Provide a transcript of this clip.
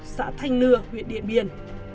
xã thanh nưa huyện điện biên